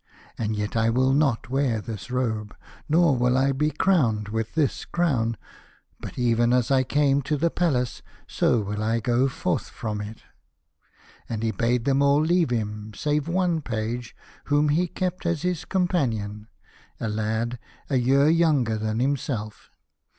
And yet I will not wear this robe, nor will I be crowned with this crown, but even as I came to the palace so will I go forth from it." And he bade them all leave him, save one page whom he kept as his companion, a lad a year younger than himself.